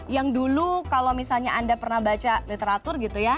yang dulu kalau misalnya anda pernah baca literatur gitu ya